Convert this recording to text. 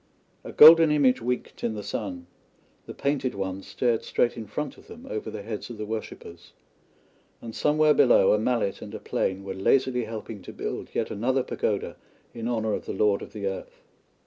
A golden image winked in the sun; the painted ones stared straight in front of them over the heads of the worshippers, and somewhere below a mallet and a plane were lazily helping to build yet another pagoda in honour of the Lord of the Earth.